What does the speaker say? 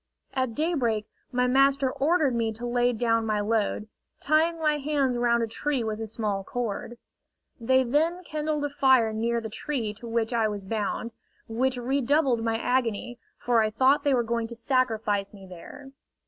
At daybreak my master ordered me to lay down my load, tying my hands round a tree with a small cord. They then kindled a fire near the tree to which I was bound, which redoubled my agony, for I thought they were going to sacrifice me there.